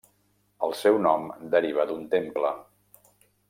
El seu nom deriva d'un temple.